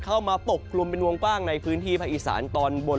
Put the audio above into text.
เข้ามาปกปรุงเป็นวงกว้างในพื้นที่ภาคอีสานตอนบน